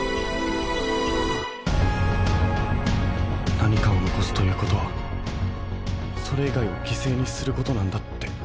なにかをのこすということはそれいがいをぎせいにすることなんだって。